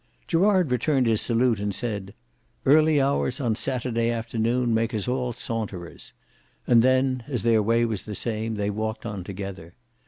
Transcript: Gerard returned his salute, and said, "Early hours on Saturday afternoon make us all saunterers;" and then, as their way was the same, they walked on together.